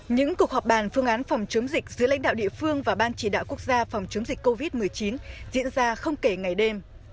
những cuộc họp bàn phương án phòng chống dịch giữa lãnh đạo địa phương và ban chỉ đạo quốc gia phòng chống dịch covid một mươi chín diễn ra không kể ngày đêm